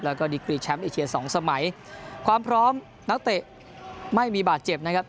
แล้วก็ดิกรีแชมป์เอเชียสองสมัยความพร้อมนักเตะไม่มีบาดเจ็บนะครับ